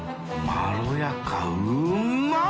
まろやかうまい！